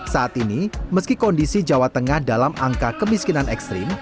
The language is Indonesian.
saat ini meski kondisi jawa tengah dalam angka kemiskinan ekstrim